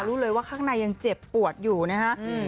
รู้เลยว่าข้างในยังเจ็บปวดอยู่นะฮะ